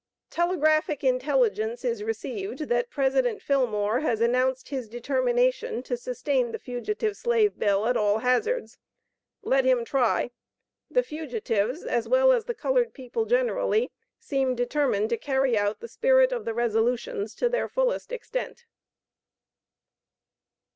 Telegraphic intelligence is received, that President Fillmore has announced his determination to sustain the Fugitive Slave Bill, at all hazards. Let him try! The fugitives, as well as the colored people generally, seem determined to carry out the spirit of the resolutions to their fullest extent.